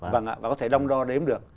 vâng ạ và có thể đông đo đếm được